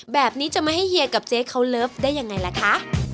แบบนี้จะไม่ให้เฮียกับเจ๊เขาเลิฟได้ยังไงล่ะคะ